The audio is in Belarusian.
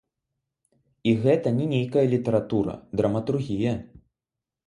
І гэта не нейкая літаратура, драматургія.